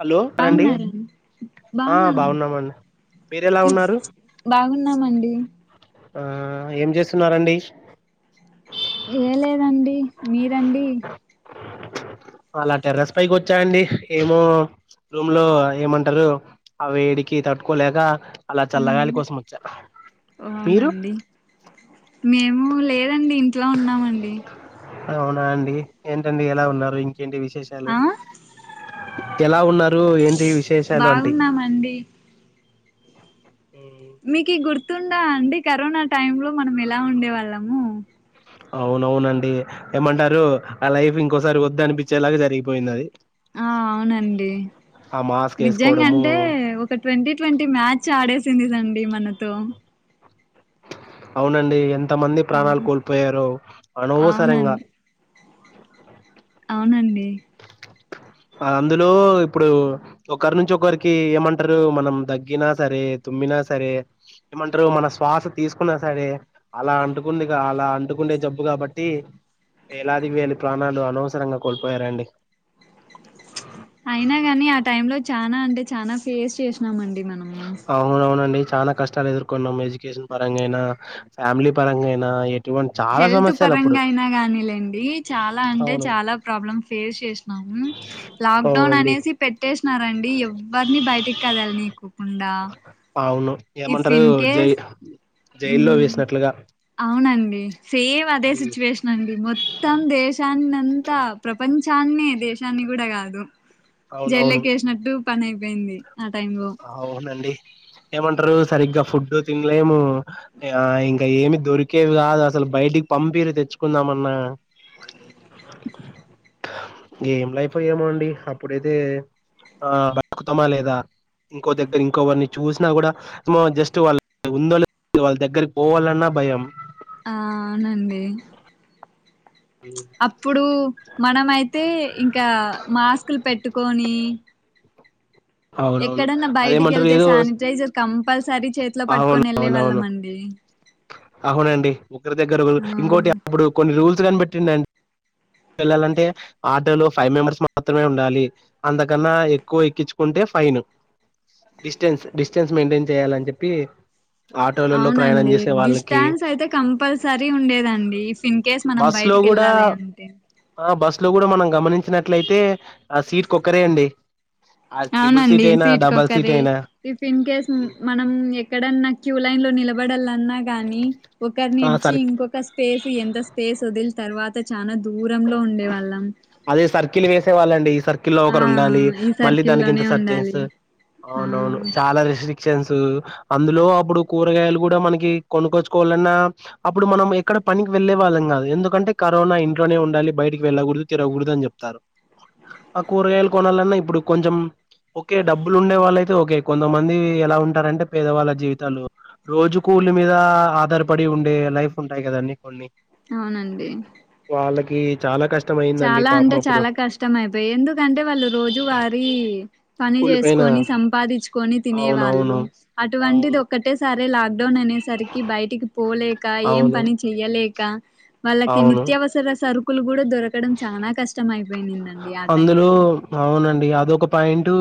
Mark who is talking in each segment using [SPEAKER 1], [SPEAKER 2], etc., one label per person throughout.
[SPEAKER 1] Hello రండి
[SPEAKER 2] బాగున్నరండి?
[SPEAKER 1] ఆ
[SPEAKER 2] బాగున్నామ,
[SPEAKER 1] బాగున్నామండి మీరెలా ఉన్నారు
[SPEAKER 2] బాగున్నామండి.
[SPEAKER 1] ఆ ఏం చేస్తున్నారండి?
[SPEAKER 2] ఏం లేదండి, మీరండి?
[SPEAKER 1] అలా టెర్రస్ పైకి వచ్చా అండి. ఏమో రూమ్ లో ఏమంటరు, ఆ వేడికి తట్టుకోలేక. అలా చల్లగాలి
[SPEAKER 2] ఉమ్
[SPEAKER 1] కోసం వచ్చా, మీరు?
[SPEAKER 2] అవునండి మేము లేదండి, ఇంట్లో ఉన్నామండి.
[SPEAKER 1] అవునా అండి, ఏంటండి? ఎలా ఉన్నారు? ఇం కేంటి విశేషాలు?
[SPEAKER 2] ఆ
[SPEAKER 1] ఎలా ఉన్నారు? ఏంటి విశేషాలు అంటి?
[SPEAKER 2] బాగున్నామండి మీకిద్ గుర్త్ తుందా అండి, కరోనా టైమ్ లో మనం ఎలా ఉండేవాళ్ళము?
[SPEAKER 1] అవునవునండి, ఏమంటారు? ఆ లైఫ్ ఇంకోసారి వద్దు అనిపిచ్చే లాగా జరిగిపోయిందది.
[SPEAKER 2] ఆ అవునండి
[SPEAKER 1] మాస్క్ వేసుకోవడము
[SPEAKER 2] నిజ్జంగంటే, ఒక ట్వంటీ ట్వంటీ మ్యాచ్ ఆడేసిందిదండి మనతో.
[SPEAKER 1] అవునండి, ఎంత్ తమంది ప్రాణాలు కోల్పోయారో, అనవసరంగా?
[SPEAKER 2] అవునండి డి
[SPEAKER 1] అందులో ఇప్పుడు ఒకరి నుంచి ఒకరికి ఏమంటరు, మనం దగ్గిన సరే, తుమ్మిన సరే ఏమంటరు మన శ్వాస తీసుకున్నా సరే, అలా అంటుకుందిగా, అలా అంటుకుండే జబ్బు కాబట్టి వేలాది వేళ ప్రాణాలు అనవసరంగా కోల్పోయారండి.
[SPEAKER 2] అయినా గాని ఆ టైమ్ లో చానా అంటే చానా ఫేస్ చేస్ న్నామండి మనము.
[SPEAKER 1] అవునవునండి చాలా కష్టాలు ఎదుర్కొన్నాం. ఎడ్యుకేషన్ పరంగా అయినా, ఫ్యామిలీ పరంగా అయినా. ఎట్
[SPEAKER 2] హెల్త్ పరంగ అయినా కానీలేండి, చాలా అంటే
[SPEAKER 1] అవును
[SPEAKER 2] చాలా ప్రాబ్లమ్ ఫేస్ చేసినాము. లాక్డౌన్
[SPEAKER 1] అవునండి
[SPEAKER 2] అనేసి పెట్టేస్ నా, ఎవర్ని బయటికి కదల్నికోకుండా.
[SPEAKER 1] అవును. ఏమంటరు? జై,
[SPEAKER 2] కేస్
[SPEAKER 1] జైల్లో వేసినట్లుగా.
[SPEAKER 2] వునండి. సేమ్ అదే
[SPEAKER 1] ఉమ్,
[SPEAKER 2] సిచ్యువేషన్ అండి, మొత్తం దేశాన్నంతా ప్రపంచాన్నే దేశాన్ని కూడ కాదు?
[SPEAKER 1] అవునవును
[SPEAKER 2] జైల్లకేసినట్టు. పనయిపోయింది
[SPEAKER 1] అవునండి ఏమంటారు సరిగ్గా ఫుడ్ తిన్లేము ఆ ఇ ఇంక ఏమి దొరికేవి కాదు అసలు బయటికి పంపీరు తెచ్చుకుందామన్నా గేమ్ లైఫ్ ఏమోండి అప్పుడైతే ఆ బతుకుతమా లేదా ఇంకో దగ్గర ఇంకోవరిని చూసినా కూడా జస్ట్ వాళ్ళ ఉందో లే వాళ్ళ దగ్గరికి పోవాలన్నా భయం
[SPEAKER 2] ఆ అవునండి అప్పుడు మనమయితే ఇంకా మాస్కులు పెట్టుకొని
[SPEAKER 1] అవునవును
[SPEAKER 2] ఎక్కడన్నా బయటికి
[SPEAKER 1] అదేమంటారు
[SPEAKER 2] వెళ్తే
[SPEAKER 1] ఏదో
[SPEAKER 2] శానిటైజర్ కంపల్సరీ చేతిలో
[SPEAKER 1] అవును
[SPEAKER 2] పట్టుకొని వెళ్ళే
[SPEAKER 1] అవునవును
[SPEAKER 2] వాళ్ళం అండి
[SPEAKER 1] అవునండి ఒక్రి దగ్గర
[SPEAKER 2] ఆ
[SPEAKER 1] ఇంకోటి అప్పుడు కొన్ని రూల్ సు కనిపెట్టిందండి వెళ్ళాలంటే ఆటోలో ఫైవ్ మెంబర్స్ మాత్రమే ఉండాలి అంతకన్నా ఎక్కువ ఎక్కించుకుంటే ఫైన్ డిస్టెన్స్ డిస్టెన్స్ మెంటెయిన్ చేయాలని చెప్పి ఆటోలలో ప్రయాణం
[SPEAKER 2] అవునండి
[SPEAKER 1] చేస్
[SPEAKER 2] డిస్టాన్స్ అయితే కంపల్సరీ ఉండేదండి ఇఫ్ ఇన్ కేస్ మనం
[SPEAKER 1] బస్
[SPEAKER 2] బయటికి వెళ్ళాలి అంటే
[SPEAKER 1] ట్లో కూడా మనం గమనించినట్లయితే ఆ సీట్ కొక్కరే అండి ఆ త్రిబుల్ సీట్
[SPEAKER 2] అవునండి
[SPEAKER 1] అయినా డబల్ సీట్
[SPEAKER 2] సీట్కొక్కరె
[SPEAKER 1] అయినా
[SPEAKER 2] ఇఫ్ ఇన్ కేస్ మనం ఎక్కడన్నా క్యూ లైన్ లో నిలబడాలన్నా కానీ
[SPEAKER 1] ఆ
[SPEAKER 2] ఒకరినిడిచి
[SPEAKER 1] సర్
[SPEAKER 2] ఇంకొక స్పేస్ ఎంత స్పేస్ వదిలి తర్వాత చానద్
[SPEAKER 1] అదే సర్కిల్ వేసే వాళ్ళండి సర్కిల్ లో
[SPEAKER 2] ఆ
[SPEAKER 1] ఒకరు ఉండాలి
[SPEAKER 2] ఈ
[SPEAKER 1] మళ్ళీ
[SPEAKER 2] సర్కిల్
[SPEAKER 1] దానికి ఇంత
[SPEAKER 2] లోనే
[SPEAKER 1] సర్చెన్
[SPEAKER 2] ఉండాలి ఆ
[SPEAKER 1] అవునవును చాలా రిస్రి శన్స్ అందులో అప్పుడు కూరగాయలు కూడా మనకి కొనుక్కొచ్చుకోవాలన్నా అప్పుడు మనం ఎక్కడ పనికి వెళ్ళే వాళ్ళం కాదు ఎందుకంటే కరోనా ఇంట్ ట్లోనే ఉండాలి బయటికి వెళ్ళకూడదు తినకూడదు అని చెప్తారు ఆ కూరగాయలు కొనలన్ న్న ఇప్పుడు కొంచెం ఓకే డబ్బులు ఉండే వాళ్ళు అయితే ఓకే కొంతమంది ఎలా ఉంటారంటే పేదవాళ్ళ జీవితాలు రోజు కూలి మీద ఆధారపడి ఉండే లైఫ్ ఉంటాయి కదండి కొన్ని
[SPEAKER 2] అవునండి
[SPEAKER 1] వాళ్ళకి చాలా కష్
[SPEAKER 2] చాలా అంటే చాలా కష్టం అయిపోయి ఎందుకంటే వాళ్ళు రోజు వారీ పని
[SPEAKER 1] కూలిపోయిన
[SPEAKER 2] చేసుకొని సంపాదించుకొని తినే వాళ్ళు
[SPEAKER 1] అవునవును
[SPEAKER 2] అటువంటిది
[SPEAKER 1] అవును
[SPEAKER 2] ఒక్కటేసారి లేలాక్ డౌన్ అనేసరికి బయటికి పోలేక ఏం
[SPEAKER 1] అవును
[SPEAKER 2] పని చెయ్యలేక వాళ్ళకి
[SPEAKER 1] అవును
[SPEAKER 2] నిత్యవసర స లు కూడా దరక ఎక్కడం చాలా కష్టం అయిపోయిందండి ఆ టైం లో
[SPEAKER 1] టూ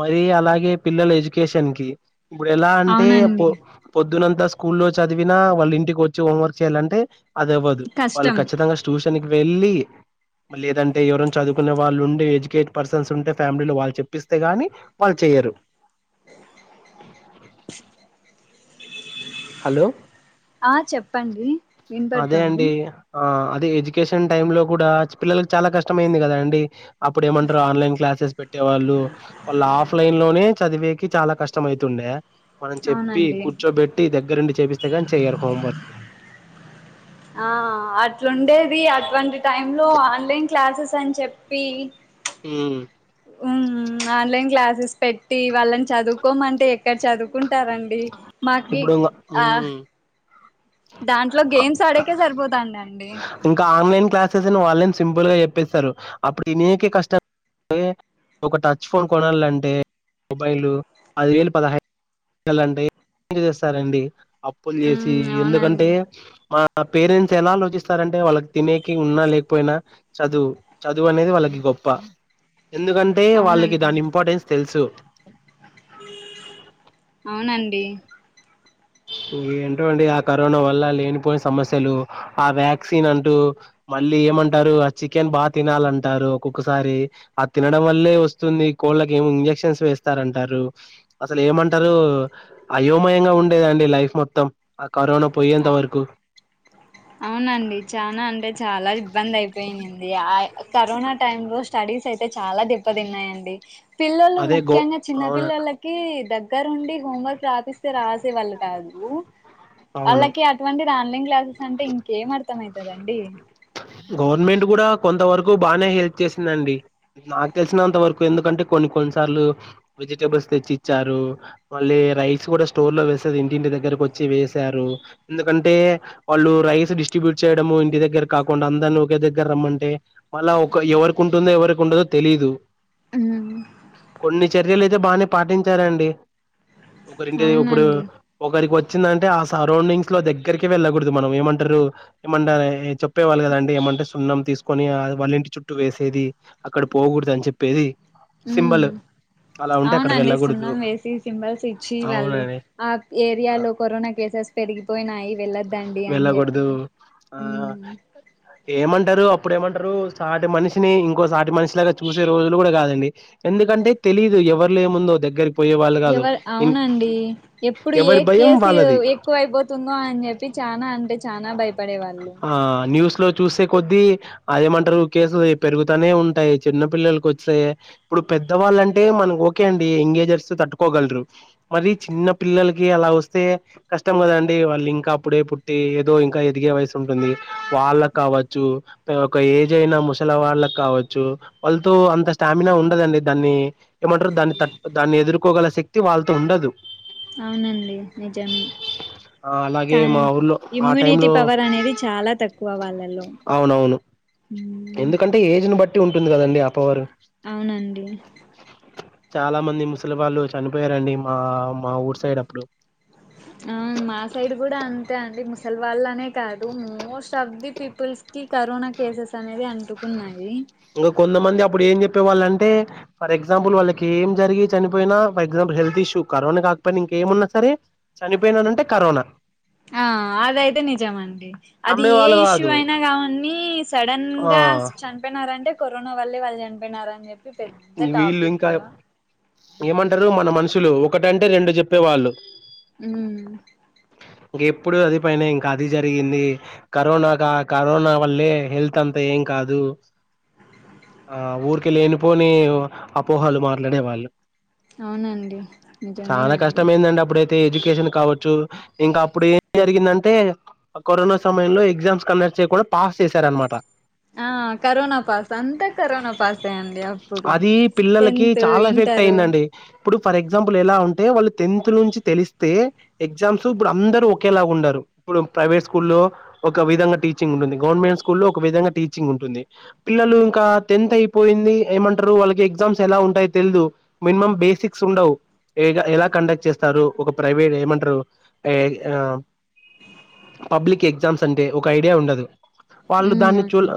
[SPEAKER 1] మరి అలాగే పిల్లల ఎడ్యుకేషన్ కి ఇప్పుడు ఎలా అంటే పొ
[SPEAKER 2] అవునండి
[SPEAKER 1] పొద్దున్నంత స్కూల్లో చదివినా వాళ్ళ ఇంటికి వచ్చి హోంవర్క్ చేయ్యాలంటే అది అవ్వదు వాళ్ళు
[SPEAKER 2] కష్టం
[SPEAKER 1] ఖచ్చితంగా ట్యూషన్ వెళ్లి మళ్ లేదంట ఎవరన్న చదువు నే వాళ్ళు ఉండే ఎడ్యుకేటెడ్ పర్సన్స్ ఉంటే ఫ్యామిలీలో వాళ్ళు చెప్పస్తే గాని వాళ్ళు చెయ్యరు హలో
[SPEAKER 2] ఆ చెప్పండి
[SPEAKER 1] అదే
[SPEAKER 2] వినపడుతోంది
[SPEAKER 1] అండి ఆ అది ఎడ్యుకేషన్ టైమ్ లో కూడా పిల్లలకు చాలా కష్టమయింది కదా అండి అప్పుడు ఏమంటారు ఆన్లైన్ క్లాసెస్ పెట్టేవాళ్ళు వాళ్ళు ఆఫ్ లైన్ లోనే చదివేకి చాలా కష్టమయితుండే మనం చెప్పి
[SPEAKER 2] అవునండి
[SPEAKER 1] కూర్చోబెట్టి దగ్గరండి చేపి తే గాని చెయరు హోమ్వర్క్
[SPEAKER 2] ఆ అట్లుండేది అట్లాంటి టైం లో ఆన్లైన్ క్లాసెస్ అని చెప్పి
[SPEAKER 1] ఉమ్
[SPEAKER 2] ఉమ్ ఆన్లైన్ క్లాసెస్ పెట్టి వాళ్ళని చదువుకోమంటే ఇక్కడ చదువుకుంటారండి మాకి
[SPEAKER 1] ఇప్పుడు ఇంగ
[SPEAKER 2] ఆ
[SPEAKER 1] ఉమ్
[SPEAKER 2] దాంట్లో గేమ్స్ ఆడకే సరిపోతాం అండి
[SPEAKER 1] ఇంకా ఆన్లైన్ క్లాసెస్ అని వాళ్ళేం సింపుల్ చెప్పేస్తారు అప్పుడు కష్ట ఒక టచ్ ఫోన్ కొనాలంటే మొబైల్ పది వేలు పదహై ఎలా అంటే చేస్తారండి అప్పులు చేసి
[SPEAKER 2] ఉమ్
[SPEAKER 1] ఎందుకంటే
[SPEAKER 2] అవునండి
[SPEAKER 1] మ మా పేరెంట్స్ ఎలా ఆలోచిస్తారంటే వాళ్ళకి తినేకి ఉన్నా లేకపోయినా చదువు చదువు అనేది వాళ్ళకి గొప్ప ఎందుకంటే వాళ్ళకి
[SPEAKER 2] అవునండి
[SPEAKER 1] దాని ఇంపార్టెన్స్ తెలుసు
[SPEAKER 2] అవునండి
[SPEAKER 1] ఏంటో అండి ఆ కరోనా వల్ల లేనిపోయిన సమస్యలు ఆ వ్యాక్సిన్ అంటూ మళ్ళీ ఏమంటారు ఆ చికెన్ బాగా తినాలంటారు ఒక్కొక్కసారి ఆ తినడం వల్లే వస్తుంది కోళ్ళకి ఏ ఇంజక్షన్స్ వేస్తారంటారు అసలు ఏమంటారు అయోమయంగా ఉండేదండి లైఫ్ మొత్తం కరోనా పోయి ఎంత వరకు
[SPEAKER 2] అవునండి ఇ ఆ కరోనా టైమ్ లో స్టడీస్ అయితే చాలా దెబ్బతిన్నాయండి పిల్లలు
[SPEAKER 1] అదే గో
[SPEAKER 2] ముఖ్య
[SPEAKER 1] అవును
[SPEAKER 2] ద్గర ఉండి హోవర్క్ రాపిస్త రాసేవాళ్ళు కాదు
[SPEAKER 1] అవును
[SPEAKER 2] వాళ్ళకి అటువంటి ఆన్లైన్ క్లాసెస్ ఏం అర్థం అవుతుదండి.
[SPEAKER 1] గవర్నమెంట్ కూడా కొంతవరకు బాగానే హెల్ప్ చేసిందండి నాకు తెలిసినంత వరకు ఎందుకంటే కొన్ని కొన్నిసార్లు వెజిటేబుల్స్ తెచ్చి ఇచ్చారు వాళ్ళ రైస్ కూడా స్టోర్ లో వేస్తది ఇంటింటి దగ్గరకు వచ్చి వేసారు ఎందుకంటే వాళ్ళు రైస్ డిస్ట్రిబ్యూట్ చేయడము ఇంటి దగ్గర కాకు అందరినీ ఒకే దగ్గర రమ్మంటే మళ్ళా ఒక ఎవరికి ఉంటుందో ఎవరికి ఉండదో తెలీదు కొన్ని చర్యలు అయితే బాగానే పాటించారండి. ఒకరింటి ఇప్పుడు
[SPEAKER 2] అవునండి
[SPEAKER 1] ఒకరికి వచ్చ వచ్చిందంటే ఆ సరౌండింగ్స్ లో దగ్గరికి వెళ్ళకూడదు మనం ఏమంటారు ఏమ చె చెప్పవాలి కదండి ఏమంటే సున్నం తీసుకొని వాళ్ళ ఇంటి చుట్టూ వేసేది అక్కడ పోకూడదు అని చెప్పేది. సింబల్ అలా ఉంటే అక్కడ వెళ్ళకూడదు
[SPEAKER 2] అవునండిస్తున్నాం వేసి సింబల్స్ ఇచ్చి వాళ్ళు
[SPEAKER 1] అవునండి
[SPEAKER 2] ఆ
[SPEAKER 1] ఆ
[SPEAKER 2] ఏరియాలో కరోనా కేసెస్. పెరిగిపోయినయి వెళ్ళద్దండి అని చెప్పి
[SPEAKER 1] వెళ్ళకూడదు ఆ ఏమంటారు అప్పుడు ఏమంటారు సాటి మనిషిని ఇంకో సాటి మనిషిలాగా చూసే రోజులు కూడా కాదండి ఎందుకంటే తెలీదు ఎవరు లేముందో దగ్గరకి
[SPEAKER 2] ఎవరు అవునండి ఎప్పుడు ఏ
[SPEAKER 1] ఎవరి భయం
[SPEAKER 2] కేసు
[SPEAKER 1] వాళ్ళది
[SPEAKER 2] ఎక్కువయిపోతుందో అని చెప్పి చనా అడి చనాా భయపడే వాళ్ళు
[SPEAKER 1] ఆ న్యూస్ లో చూసే కొద్ద్దీ అదేమంటారు కేసులు పెరుగుతానే ఉంటాయి చిన్న పిల్లలకి వస్తాయి ఇప్పుడు పెద్దవాళ్ళంటే మనకి ఓకే అండి ఎంగేజర్స్ తట్టుకోగలరు మరి చిన్న పిల్లలకి అలా వస్తే కష్టం కదండి వాళ్ళు ఇంకా అప్పుడే పుట్టి ో ఇంకా ఎదిగే వయసు ఉంటుంది వాళ్ళకి కావచ్చు ఒక ఏజ్ అయినా ముసల వాళ్ళకి కావచ్చు వాళ్ళతో అంత స్టామినా ఉండదండి దాన్ని ఏమంటారు దాన్ని త దాన్ని ఎదుర్కోగల శక్తి వాళ్ళతో ఉండదు
[SPEAKER 2] అవునండి నిజమే
[SPEAKER 1] ఆ అలాగే
[SPEAKER 2] కా
[SPEAKER 1] మా ఊర్లో ఆ
[SPEAKER 2] ఇమ్యూనిటీ
[SPEAKER 1] టైంలో
[SPEAKER 2] పవర్ అనేది చాలా తక్కువ వాళ్ళలో
[SPEAKER 1] అవునవును
[SPEAKER 2] ఉ
[SPEAKER 1] ఎందుకంటే ఏజ్ ని బట్టి ఉంటుంది కదండి అపవర్
[SPEAKER 2] అవునండి
[SPEAKER 1] చాలా మంది ముస్లిం వాళ్ళు చనిపోయారండి మా మా ఊరు సైడ్ అప్పుడు
[SPEAKER 2] ఆ మా సైడ్ కూడాడా అంత అంతే అండి ముసల్వాళ్ళ అనే కాదు మోస్ట్ ఆఫ్ ది పీపుల్స్ కి కరోనా కేసెస్ అనేది అంటుకున్నాయి
[SPEAKER 1] ఇంకా కొంతమంది అప్పుడు ఏం చెప్పేవాళ్ళ అంటే ఫర్ ఎగ్జాంపుల్ వాళ్ళకి ఏం జరిగి చనిపోయినా for example health issue corona కాకపోయినా ఇంకేమన్నా సరే చనిపోయినానంటే కరోనా
[SPEAKER 2] ఆ అదయితే నిజమండి అది
[SPEAKER 1] నమ్మే
[SPEAKER 2] ఏ
[SPEAKER 1] వాళ్ళు
[SPEAKER 2] ఇష్యూ
[SPEAKER 1] కాదు
[SPEAKER 2] అయినా కావీ సడన్
[SPEAKER 1] ఆ
[SPEAKER 2] గా చనిపోయినారంటే కరోనా వళ్లే వాళ్ళు చనిపోయినా
[SPEAKER 1] వీళ్ళు ఇంకా ఏమంటారు మనమ అలు ఒకటంటే రెండు చెప్పేవాళ్ళు
[SPEAKER 2] అ
[SPEAKER 1] ఇంక ఎప్పుడు అది పైన ఇంకా అది జరిగింది కరోనా కా కరోనా వల్లే హెల్త్ అంతా ఏం కాదు ఆ ఊరిక లేనిపోని అపోహలు మాట్లాడే వాళ్ళు
[SPEAKER 2] అవునండి నిజమేనండి
[SPEAKER 1] తే ఎడ్యుకేషన్ కావచ్చు ఇంకా అప్పుడు ఏం జరిగిందంటే కరోనా సమయంలో ఎగ్జామ్స్ కండక్ట్ చేయకుండా పాస్ చేశారనమాట
[SPEAKER 2] ఆ కరోనా పాస్ అంతా కరోనా పాస్ యే అండి అప్పుడు
[SPEAKER 1] అది పిల్లలకి
[SPEAKER 2] టెన్త్
[SPEAKER 1] చాలా ఎఫెక్ట్
[SPEAKER 2] ఇంటరు
[SPEAKER 1] అయిందండి ఇప్పుడు ఫర్ ఎగ్జాంపుల్ ఎలా ఉంటే వాళ్ళు టెన్త్ నుంచి తెలిస్తే ఎగ్జామ్స్ తు ఇప్పుడు అందరుూ ఒకేలాగా ఉండారు ఇప్పుడు ప్రైవేట్ స్కూల్లో ఒక విధంగా టీచింగ్ ఉంటుంది గవర్నమెంట్ స్కూ లో ఒక విధంగా టీచింగ్ ఉంటుంది పిల్లలు ఇంకా టెన్త్ అయిపోయింది ఏమంటారు వాళ్ళకి ఎగ్జామ్స్ ఎలా ఉంటాయో తెలిదు మినిమం బేసిక్స్ ఉండవు ఎలా ఎలా కండక్ట్ చేస్తారు ఒక ప్రైవేట్ ఏమంటారు టె పబ్లిక్ ఎగ్జామ్స్ అంటే ఒక ఐడియా ఉండదు వాళ్ళు
[SPEAKER 2] ఉమ్
[SPEAKER 1] దాన్ని చూ
[SPEAKER 2] అవునండి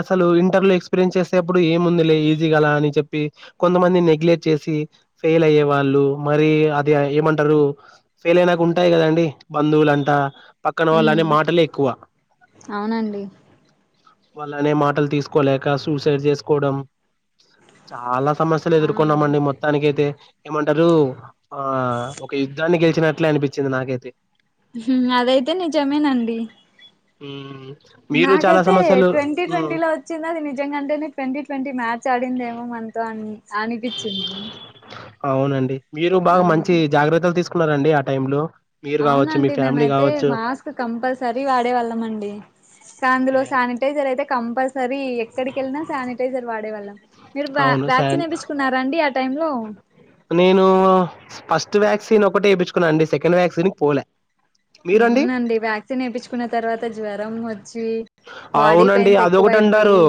[SPEAKER 1] అసలు ఇంటర్లో ఎక్స్పీరియన్స్ చేసేప్పుడు ఏముందిలే ఈజీ గలా అని చెప్పి కొంతమంది నెగ్లెక్ట్ చేసి ఫెయిల్ అయ్యే వాళ్ళు మరి అది ఏమంటారు ఫెయిల్ అయినాంటే ఉంటాయి కదండి బంధువులంటా పక్కన వాళ్ళ అనే
[SPEAKER 2] ఉమ్
[SPEAKER 1] మాటలే ఎక్కువ
[SPEAKER 2] అవునండి
[SPEAKER 1] వాళ్ళనే మాటలు తీసుకోలేక సూసైడ్ చేసుకోవడం చాలా సమస్యలు
[SPEAKER 2] ఆ
[SPEAKER 1] ఎదుర్కొన్నామ అండి మొత్తానికి అయితే ఏమంటారు ఆ ఒక యుద్ధాన్ని గెలిచినట్లే అనిపి చింది నాకైతే
[SPEAKER 2] అదైతే నిజమేనండి
[SPEAKER 1] మ్మ్
[SPEAKER 2] నాకైతే ట్వంటీ ట్వంటీ లో వచ్చింది అది నిజంగాంటేనే ట్వంటీ ట్వంటీ మ్యాచ్ ఆడిందేమో మనతో అని అనిపిచ్చింది
[SPEAKER 1] అవునండి మీరు బాగా మంచి జాగ్రత్తలు తీసు కున్నరండి ఆ టైమ్ లో మీరు కావచ్చు మీ
[SPEAKER 2] అవునండి
[SPEAKER 1] ఫ్యామిలీ
[SPEAKER 2] మేమైతే
[SPEAKER 1] కావచ్చు
[SPEAKER 2] మాస్క్ కంపల్సరీ వాడేవాళ్ళం అండి కందులో
[SPEAKER 1] ఓకే
[SPEAKER 2] శానిటైజర్ అయితే కంపస్ సరి ఎక్కడికి వెళ్ళినా శానిటైజర్ వాడేవాళ్ళం మీరు వ్యా
[SPEAKER 1] అవును సార్
[SPEAKER 2] వ్యాక్సిన్ ఎపిచ్చుకున్నారా అండి టైమ్ లో
[SPEAKER 1] నేను ఫస్ స్ట్ వ్యాక్సిన్ ఒకటి ఎపిచ్చుకున్నా అండి సెకండ్ వ్యాక్సిన్కి పోలే
[SPEAKER 2] మ్మ్
[SPEAKER 1] మీరండి
[SPEAKER 2] నండి వ్యాక్సిన్ వేపిచ్చుకున్న తర్వాత జ్వరం వ
[SPEAKER 1] అవునండి అదొకటి అంటారు
[SPEAKER 2] అయిపోయి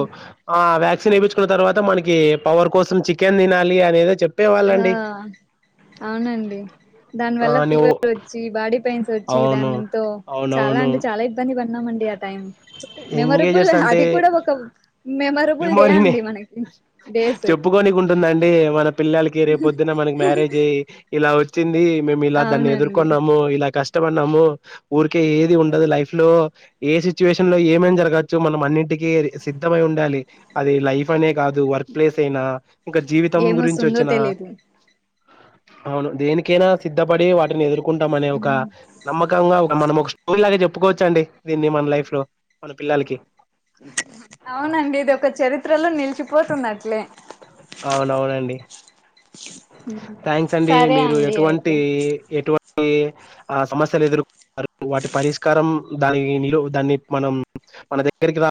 [SPEAKER 1] ఆ వ్యాక్సిన్ వేపిచ్చుకున్న తర్వాత మనకి పవర్ కోసం చికెన్ తినాలి అనేదో చెప్
[SPEAKER 2] ఆ అవునండి
[SPEAKER 1] ఆ
[SPEAKER 2] దానివల్ల
[SPEAKER 1] నువ్వు
[SPEAKER 2] ఫీవర్ వచ్చి బాడీ పైన్ వచ్చి
[SPEAKER 1] అవును
[SPEAKER 2] దాంతో చాలా
[SPEAKER 1] అవునవును
[SPEAKER 2] అంటే చాలా ఇబ్బంది పన్ న్నామండి ఆ టైం మెమరబుల్
[SPEAKER 1] ఎంగేజర్స్ అంటే
[SPEAKER 2] అది కూడా ఒక మెమరబుల్ డే
[SPEAKER 1] మెమోరీనే
[SPEAKER 2] అండి మనకి డేస్
[SPEAKER 1] కి రెప్ పొద్దున మనకి మ్యారేజ్ అయి ఇలా వచ్చింది మేము ఇలా దాన్ని
[SPEAKER 2] అవునండి
[SPEAKER 1] ఎదుర్కొన్నాము ఇలా కష్ ష్టపడ్నాము ఉరికే ఏది ఉండదు లైఫ్ లో ఏ సిచ్యువేషన్ లో ఏమైన జరగోచ్చు మనం అన్నింటికీ సిద్ధమై ఉం డాలి అది లైఫ్ అనే కాదు వర్క్ ప్లేస్ అయినా ఇంక జీవితం గురించి
[SPEAKER 2] ఏమొస్తుందో
[SPEAKER 1] ఓచ్చినా
[SPEAKER 2] తెలీదు
[SPEAKER 1] అవును దేనికైనా సిద్ధపడి వాటిని ఎదురు కుంటాం అనే ఒక
[SPEAKER 2] హ్మ్.
[SPEAKER 1] నమ్మకంగా ఒ మనం ఒక స్టోరీలాగా చెప్పుకోవొచ్చండి దీన్ని మన లైఫ్ లో మన పిల్లలకి
[SPEAKER 2] అవునండి ఇది ఒక చరిత్రలో నిలిచిపోతున్న ట్లే
[SPEAKER 1] అవునవునండి థ్యాంక్స్ అండి
[SPEAKER 2] సరే
[SPEAKER 1] మీరు
[SPEAKER 2] అండి
[SPEAKER 1] ఎటువంటి
[SPEAKER 2] అయితే
[SPEAKER 1] ఎటువ టి సమస్యలు ఎదుర్కొన్నారు వాటి పరిష్కారం దాని నిలు దాన్ని మనం మన దగ్గరికి రా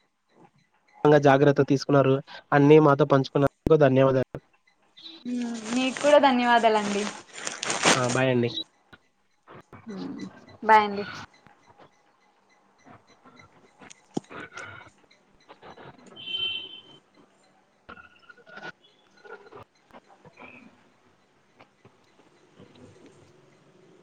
[SPEAKER 1] గా జాగ్రత్తలు తీసుకున్నారు అన్ని మాతో పంచుకున్నందుకు ధన్యవాదాలు
[SPEAKER 2] మీక్కుడా ధన్యవాదాలండి
[SPEAKER 1] ఆ! బాయ్ అండి.
[SPEAKER 2] బాయ్ అండి
[SPEAKER 1] అ